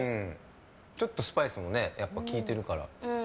ちょっとスパイスも効いてるから。